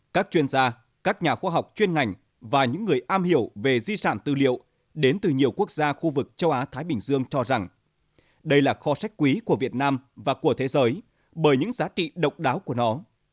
các chuyên gia các nhà khoa học chuyên ngành và những người am hiểu về di sản tư liệu đến từ nhiều quốc gia khu vực châu á thái bình dương cho rằng đây là kho sách quý của việt nam và của thế giới bởi những giá trị độc đáo của nó